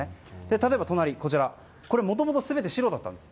例えば、こちらはもともと全部白だったんです。